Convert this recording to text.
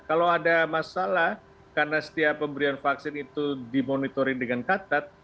kalau ada masalah karena setiap pemberian vaksin itu dimonitoring dengan katat